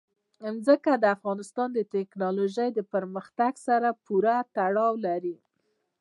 ځمکه د افغانستان د تکنالوژۍ پرمختګ سره پوره تړاو لري.